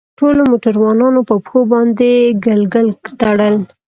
ټولو موټروانانو په پښو باندې ګلګل تړل.